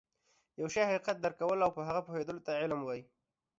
د يوه شي حقيقت درک کول او په هغه پوهيدلو ته علم وایي